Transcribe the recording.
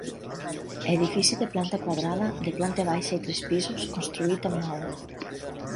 Edifici de planta quadrada, de planta baixa i tres pisos, construït amb maó.